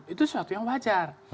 itu sesuatu yang wajar